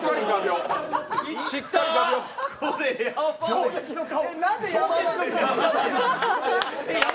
衝撃の顔！